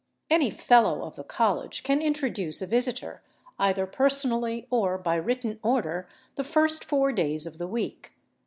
Any Fellow of the College can introduce a visitor, either personally or by written order, the first four days of the week.